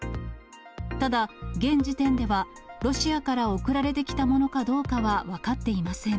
ただ、現時点では、ロシアから送られてきたものかどうかは分かっていません。